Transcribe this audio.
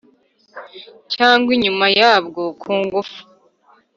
cyangwa inyuma yabwo ku ngufu